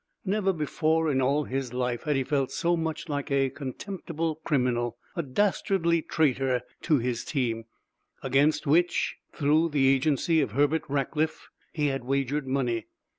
Never before in all his life had he felt so much like a contemptible criminal, a dastardly traitor to his team, against which, through the agency of Herbert Rackliff, he had wagered money.